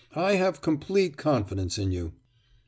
I have complete confidence in you.